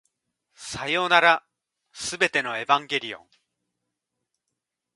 さようなら、全てのエヴァンゲリオン